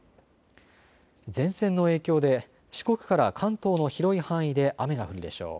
前線の影響で四国から関東の広い範囲で雨が降るでしょう。